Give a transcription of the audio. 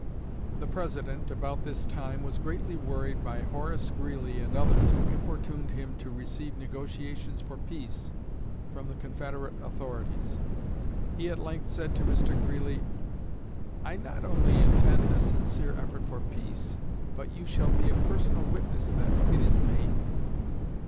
The President, about this time, was greatly worried by Horace Greeley and others, who importuned him to receive negotiations for peace from the Confederate authorities. He at length said to Mr. Greeley, "I not only intend a sincere effort for peace, but you shall be a personal witness that it is made."